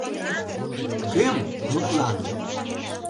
Кӧм, мутлан?